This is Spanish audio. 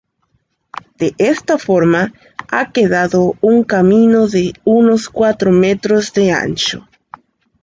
De esta forma, ha quedado un camino de unos cuatro metros de ancho.